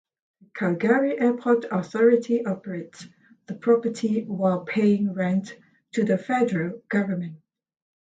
The Calgary Airport Authority operates the property while paying rent to the federal government.